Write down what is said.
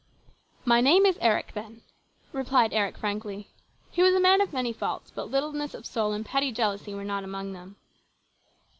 " My name is Eric then," replied Eric frankly. He was a man of many faults, but littleness of soul and petty jealousy were not among them.